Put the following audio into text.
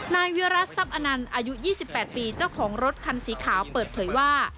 นายวิรัติทรัพย์อนันต์อายุ๒๘ปีเจ้าของรถคันสีขาวเปิดเผยว่า